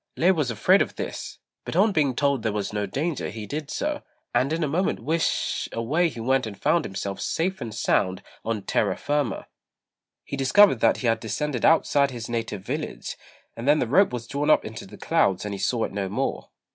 Lê was afraid of this, but on being told there was no danger he did so, and in a moment whish h h h h away he went and found himself safe and sound on terra firma. He discovered that he had descended outside his native village, and then the rope was drawn up into the clouds and he saw it no more.